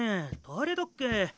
誰だっけ？